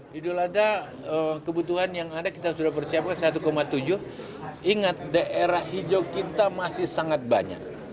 hidul adha kebutuhan yang ada kita sudah persiapkan satu tujuh ingat daerah hijau kita masih sangat banyak